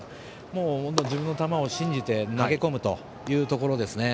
自分の球を信じて投げ込むというところですね。